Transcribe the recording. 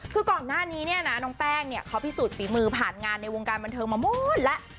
คือก่อนหน้านี้เนี่ยนะน้องแป้งเนี่ยเขาพิสูจนฝีมือผ่านงานในวงการบันเทิงมาหมดแล้ว